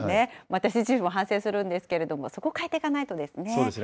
私自身も反省するんですけれども、そこを変えていかないとですね。